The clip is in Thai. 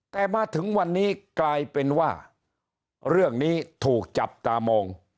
แต่มาถึงวันนี้กลายเป็นว่าเรื่องนี้ถูกจับตามอง